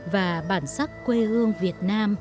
và vui vẻ